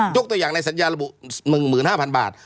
ตัวอย่างในสัญญาระบุ๑๕๐๐๐บาท